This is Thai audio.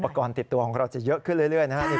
ติดตัวของเราจะเยอะขึ้นเรื่อยนะครับ